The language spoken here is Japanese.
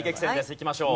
いきましょう。